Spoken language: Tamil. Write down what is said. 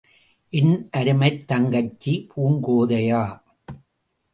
என் அருமைத் தங்கச்சி பூங்கோதையா?